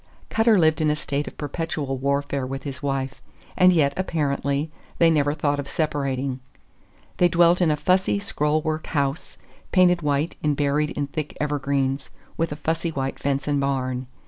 Cutter lived in a state of perpetual warfare with his wife, and yet, apparently, they never thought of separating. They dwelt in a fussy, scroll work house, painted white and buried in thick evergreens, with a fussy white fence and barn.